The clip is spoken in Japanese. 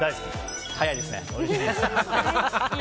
早いですね。